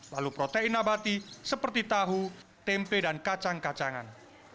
lalu protein abati seperti tahu tempe dan kacang kacangan